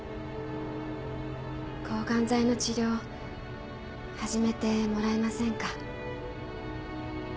抗ガン剤の治療始めてもらえませんか？